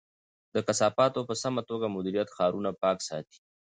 د کثافاتو په سمه توګه مدیریت ښارونه پاک ساتي.